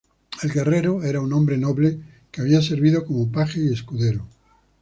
El guerrero era un hombre noble que había servido como paje y escudero.